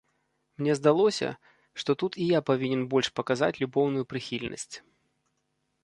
Мне здалося, што тут і я павінен больш паказаць любоўную прыхільнасць.